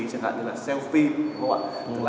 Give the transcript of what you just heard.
chẳng hạn như selfie